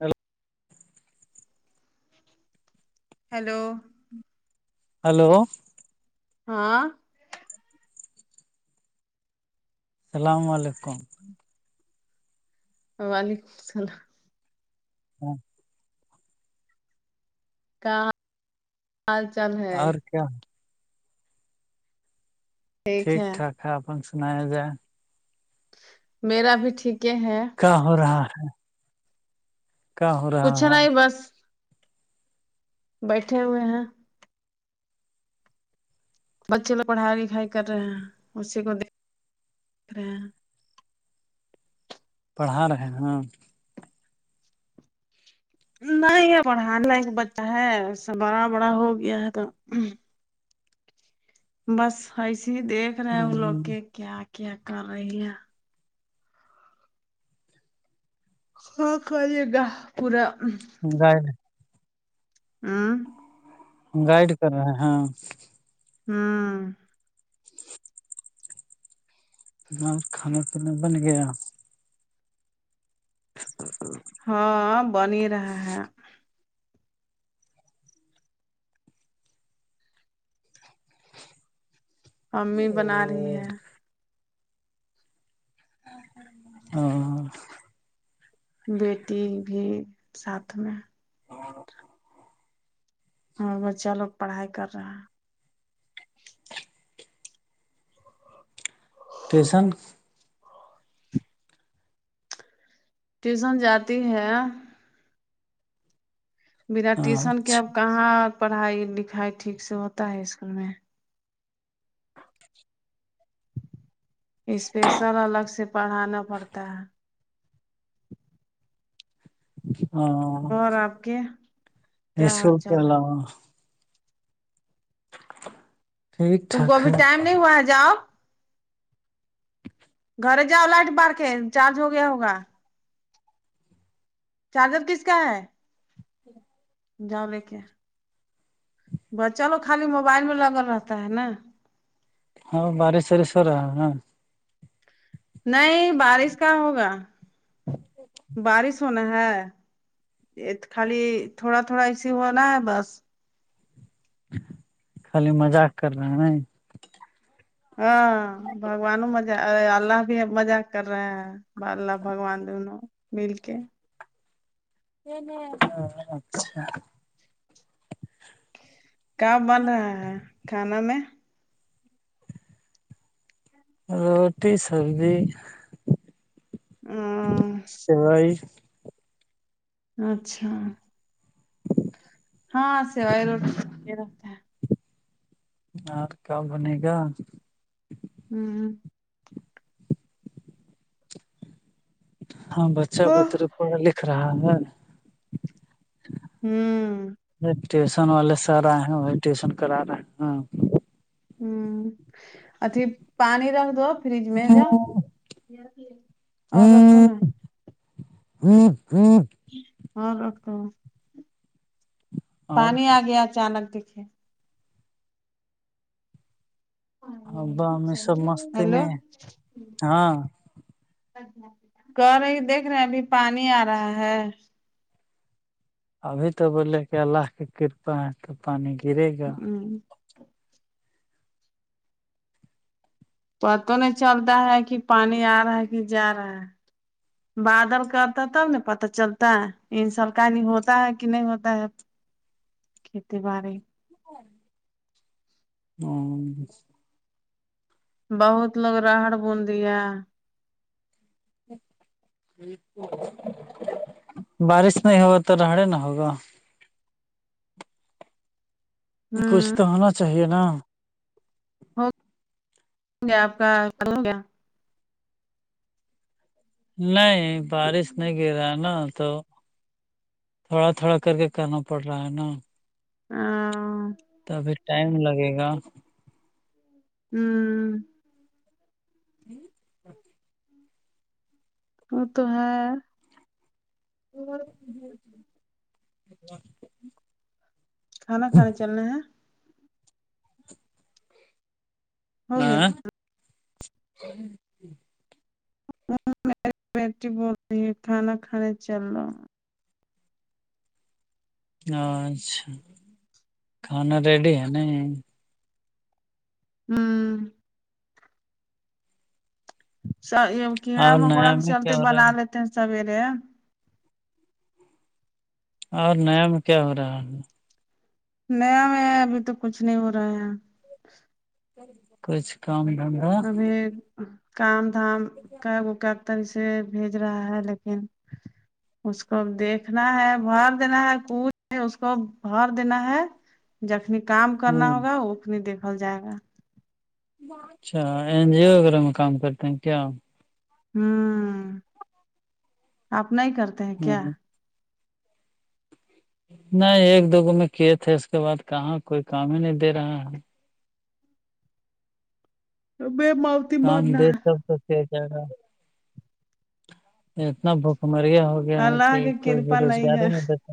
Hello hello hello ہاں السلام علیکم وعلیکم السلام ہاں کہاں حال چال ہے اور کیا ٹھیک ٹاک ہے اپ سنایا جائے میرا بھی ٹھیک ہیں کیا ہو رہا ہے کا ہو رہا کچھ ہے نہیں بس بیٹھے ہوئے ہیں بچے لو پڑھائی لکھائی کر رہے ہیں اسی کو [unintelligible] پڑھا رہے ہے نہیں یہ پڑھانا ایک بچہ ہے اس بڑا بڑا ہو گیا ہے تو بس ایسے ہی دیکھ رہے ہیں وہ لوگ کے کیا کیا کر رہی ہے ہاں کال گاہ پورا جائے ہوں گائیڈ کر رہے ہیں ہاں ہاں ہم کھانا پینا بن گیا ہاں بنی رہا ہے امی بنا رہی ہے ہ بیٹی بھی ساتھ میں اور ہاں بچہ لوگ پڑھائی کر رہا ہے ٹیشن ٹیوشن جاتی ہے بنا ٹیوشن کے اچھا اب کہاں پڑھائی لکھائی ٹھیک سے ہوتا ہے اسکول میں اسپیشل الگ سے پڑھانا پڑتا ہے ہاں اور آپ کے یہ سو حال چال کیا ہے؟ ل ٹھیک تم کو ٹھاک ابھی ہے ٹائم نہیں ہوا ہے جاؤ گھر جاؤ لائٹ بار کے چارج ہو گیا ہوگا چارجر کس کا ہے جاؤ لے کے بچہ لوگ خالی موبائل میں لگل رہتا ہے نا ہاں بارش ساریش سرا ہاں نہیں بارش کا ہوگا بارش ہونا ہے یہ خالی تھوڑا تھوڑا ایسے ہونا ہے بس خالی مذاق کر رہا ہیں ن ہاں بم بھگوانوں مز اللہ بھی مزاق کر رہے ہیں اللہ بھگوان دونوں مل کے اچھا ک بن رہا ہے کھانا میں روٹی سبزی ہ سوائی اچھا ہاں سوائے روٹی رہتا ہے اور کیا بنے گا ہوں ہاں بچہ ہوں بتر پڑھ لکھ رہا ہے ٹیوشن والے سر آئے ہیں وہ ٹیوشن کرا رہے ہیں ہم ہوں اچھی پانی رکھ دو فریج میں جاؤ اور رکھو نا ہاں ہاں رگتا اور پانی آ گیا اچانک ابا امی سب مستی میں ہیلو ہیں؟ ہاں کر رہے دیکھ رہے ہیں ابھی پانی آ رہا ہے ابھی تو بولے کہ اللہ کی کرپا ہے تو پانی گرے گا ہ پتہ نہیں چلتا ہے کہ پانی آ رہا ہے کہ جا رہا ہے بادل کرتا تب ن پتا چلتا ہے ان سرکاری ہوتا ہے کہ نہیں ہوتا ہے کھیتی باڈی [unintelligible] ہا بہت لوگ راہڑ بوندی ہے بارش نہیں ہو تو رہڑے نہ ہوگا کچھ ہوں تو ہونا چاہیے نا ہو گیا آپکا ہوگیا نہیں بارش نہیں گرا نا تو تھوڑا تھوڑا کر کے کرنا پڑ رہا ہے نا ہاں تبھی ٹائم لگے گا ہمں [unintelligible] وہ تو ہے [unintelligible] کھانا کھانے چلنے ہیں ہو گیا ہاں میری بیٹی بول رہی ہے کھانا کھانے چلو ہاں اچھا کھانا ریڈی ہے نہیں ھم س یہ کیڑا اور مکوڑا نیا کے میں کیا چلتے ہو رہا بنا لیتے ہیں سویرے اور نیا میں کیا ہو رہا ہے نیا میں ابھی تو کچھ نہیں ہو رہا ہے کچھ کام دھندا [unintelligible] کام دھام کیا ہے وہ پیسے بھیج رہا ہے لیکن اس کو دیکھنا ہے بھر دینا ہے پوچھ اس کو بھر دینا ہے جخنی کام ہوں کرنا ہوگا اخنی دیکھل جائے گا اچھا این جی او وغیرہ میں کام کرتے ہیں کیا ہوں آپ نہیں کرتے ہیں ہ کیا نہیں ایک دوگو میں کھیت ہے اس کے بعد کہاں کوئی کام ہی نہیں دے رہا ہے [unintelligible] کام دے ہے [unintelligible] اتنا بھکمریا ہو گیا ہے اللہ کہ کی کوئی بے کرپا روزگاری ہے نہیں دیتا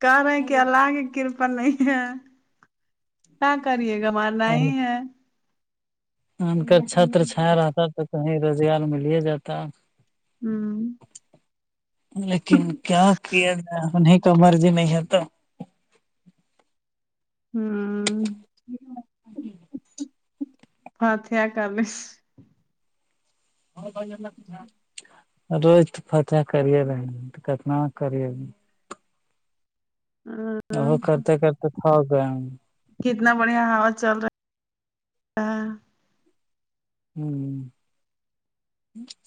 کہ رہے ہیں کہ اللہ کی کرپا نہیں ہے کیا کرے گا مارنا ہی ہے آ کر چھتر چھایا رہتا تو کہیں روزگار ملہی جاتا ہوں لیکن کیا کیا جائے انہیں تو مرضی نہیں ہے تو ہوں ہاں تھیا کرس [unintelligible] روز تو کتنا کری [unintelligible] ہاں ا وہ کرتے کرتے تھک گئے ہیں ہم کتنا بڑھیا ہوا چل رہا ہاں ہ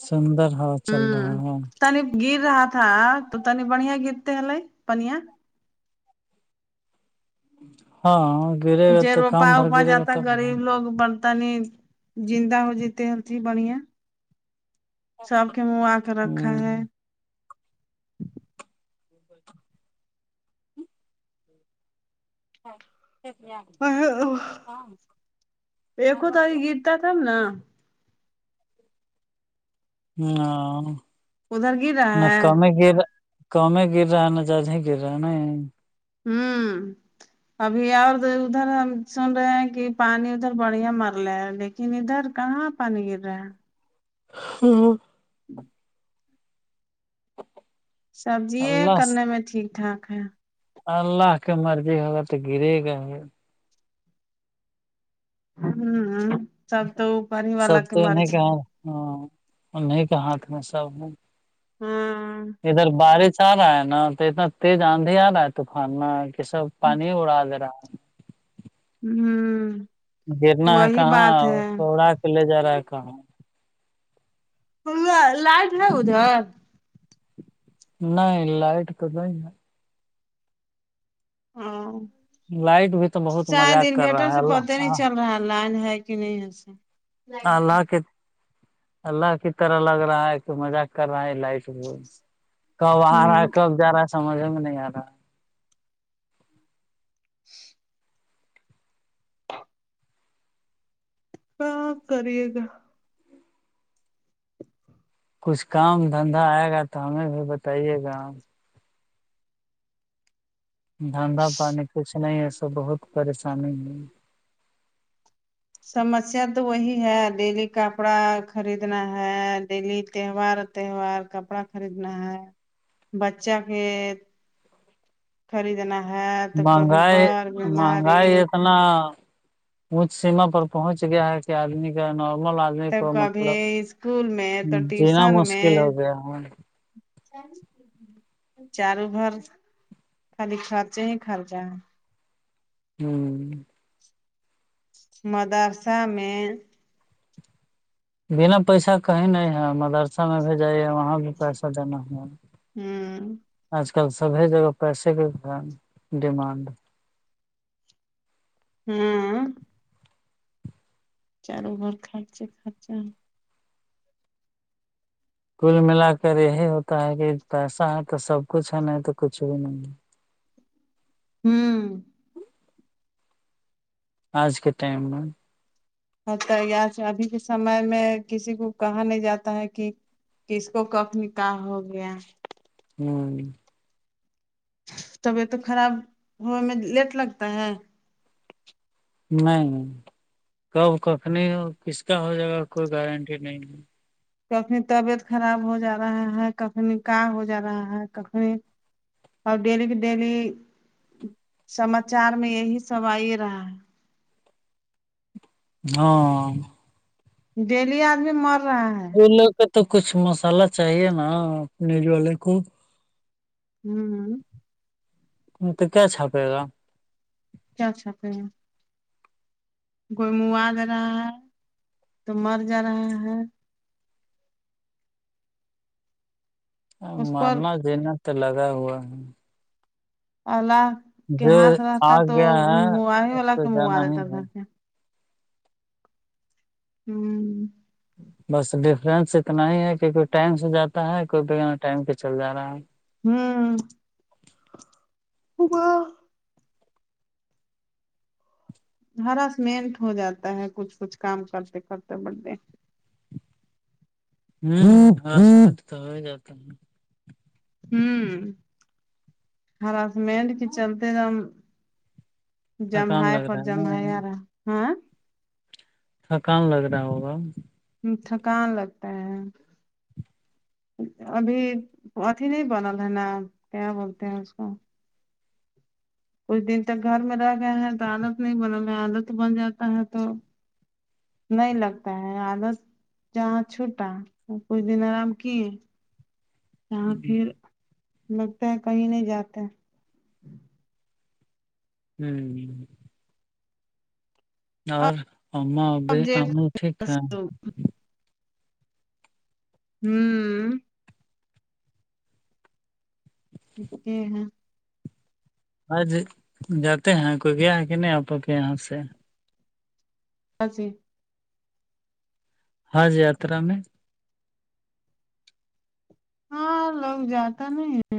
سندر ہو ہ تنی گر رہا تھا تو تنی بڑھیا گرتے ہلے پنیا ہاں گرے گا جے تو روپا کام بھر وپا گرے گا جاتا تب گغریب لوگ بن تنی زندہ ہو جتے حجی بڑیا سب کے موں آ کر رکھا ہے [inaudible] [unintelligible] [unintelligible] [unintelligible] رہا ہے [unintelligible] [unintelligible] ہوں ابھی اور ادھر ہم سن رہے ہیں کہ پانی ادھر بڑھیا مر [unintelligible] ادھر کہاں پانی گر رہا [unintelligible] [unintelligible] اللہ کرنے میں ٹھیک ٹھاک ہے اللہ کے مرضی ہوگا تو گرے گا ہی ہوں ں سب تو اوپر ہی سب والا کی تو انہیں مرضی کے ہے ہاں انہیں کے ہاتھ میں سب ہے ہاں ادھر بارش تیز آندھی آ رہا ہے طوفان میں کہ سب پانی ہی اڑا دے رہا ہے ہوں گرنا ہے وہی کہاں بات ہے اور [unintelligible] لے جا رہا ہے کہاں [unintelligible] نہیں لائٹ [unintelligible] ہاں ہے لائٹ بھی تو بہت شاید مزاق کر انوٹر رہا ہے سے پتہ نہیں اللہ چل رہا لائت ہے کیا [unintelligible] اللہ کے اللہ کی طرح لگ رہا ہے تو مزاق کر رہا ہے لائٹ کب آ ہوں رہا ہے کب جا رہا ہے سمجھ میں نہیں آ رہا [inaudible] ہاں کرئیگا کچھ کام دھندہ آئے گا تو ہمیں بھی بتائیے گا دھندہ پانی کچھ نہیں سو بہت پریشانی ہے سمسیا تو وہی ہے ڈیلی کپڑا خریدنا ہے ڈیلی تہوار کپڑا خریدنا ہے بچہ کے خریدنا ہے تو کبھی مہنگائی بر بیماری مہنگائی اتنا اونچ سیما پر پہنچ گیا ہے کہ آدمی کا نارمل ادمی تو کو کبھی مطلب اسکول میں تو جینا ٹیوشن مشکل ہو گیا ہے سال بھر خالی خرچے ہی خرچے ہیں ہوں مدرسہ میں بنا پیسہ کہیں نہیں ہے مدرسہ میں بھیجایے وہاں پیسہ دینا ہو ہوں آج کل سبھی جگہ پیسے کے ڈی ڈیمانڈ ہوں چاروں اورخرچہ خرچہ ہے کل ملا کر یہی ہوتا ہے کہ پیسہ ہے تو سب کچھ ہے نہیں تو کچھ بھی نہیں ہے ہوں آج کے ٹائم میں کسی کو کہا نہیں جاتا ہے کہ کس کو کب نکاح ہو گیا ہوں طبیعت تو خراب ہونے میں لیٹ لگتا ہے نہیں کب کس کا ہو جائے گا کوئی گارنٹی نہیں ہے کابھی طبیعت خراب ہو جا رہا ہے کابھی نکاہ ہو جا رہا ہے کابھی اور ڈلیی کو ڈلی سماچار میں یہی سب آئی رہا ہے ہاں ڈیلی آدمی مر رہا ہے کا تو کچھ مسالہ چاہیے نای والے کو ہوں تو کیا چھاپے گا کیاھا کر ہیں کوئی منو دے رہا ہے تو مر جا رہا ہے اس پر مرنا زینا تو لگا ہوا ہے اللہ کے جو ہاتھ آ رہتا تو گیا ہے م اس والا پہ کے منگوا جانا ہی دیتا ہے گھر سے ہوں بس ڈفرینس اتنا ہی ہے کہ کوئی ٹائم سے جاتا ہے کوئی با ٹائم پہ چل جا رہا ہے ہوں وہ کا ہراس منٹ ہو جاتا ہے کچھ کچھ کام کرتے کرتے بڑے [unintelligible] ہوں ہرسمٹ کی چلتے تھا ہم تھکان جمائے لگ پہ رہا ہے جمائے نا یارا ہاں تھکان لگ رہا ہوگا تھکان لگتا ہے ابھی اھی نہیں بنل ہے نا کیا بولتے ہیں اس کو کچھ دن تک گھر میں رہ گیا ہیں تو عالت نہیں بنا میں عالت بن جاتا ہے تو نہیں لگتا ہے آالس جہاں چھوٹا کچھ دن آرام کیے جاں پھر لگتا ہے کہیں نہیں جاتے ہیں ہوں اور ابھی اب دیکھ ہم ٹھیک ہیں ہوں [unintelligible] آج جاتے ہیں کوئی گیا ہے کہ نہیں آپ کے یہاں سے [unintelligible] ہاں ج یاترا میں ہاں لوگ جاتا نہیں ہے